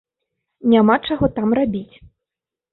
Няма чаго там рабіць.